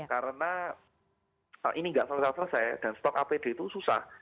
karena ini nggak selesai selesai dan stok apd itu susah